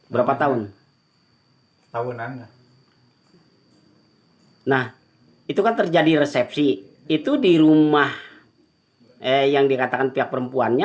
berapa tahun tahun nah itu kan terjadi resepsi itu di rumah yang dikatakan pihak perempuannya